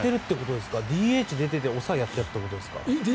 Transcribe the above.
ＤＨ出てて抑えやってるということですか？